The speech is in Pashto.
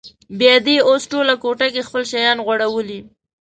بیا دې اوس ټوله کوټه کې خپل شیان غوړولي.